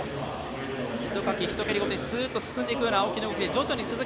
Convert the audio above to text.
ひとかき、ひと蹴りごとにすーっと進んでいくような青木。